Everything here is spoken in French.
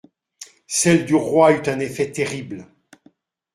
Celle du roi eut un effet terrible.